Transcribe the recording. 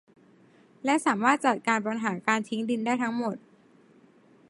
และสามารถจัดการปัญหาการทิ้งดินได้ทั้งหมด